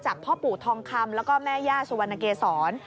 พ่อปู่ทองคำแล้วก็แม่ย่าสุวรรณเกษร